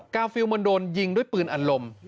ฟิลมันโดนยิงด้วยปืนอันลม